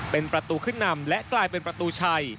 เป็นประตูขึ้นนำและกลายเป็นประตูชัย